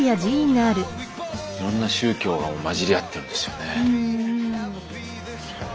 いろんな宗教がまじりあってるんですよね。